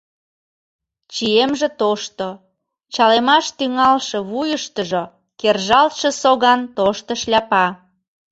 Чиемже тошто, чалемаш тӱҥалше вуйыштыжо кержалтше соган тошто шляпа.